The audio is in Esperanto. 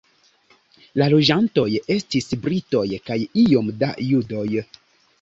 La loĝantoj estis britoj kaj iom da judoj.